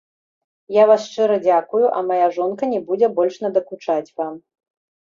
Я вас шчыра дзякую, а мая жонка не будзе больш надакучаць вам.